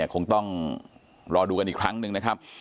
คงต้องรอดูกันอีกครั้งหนึ่งนะครับ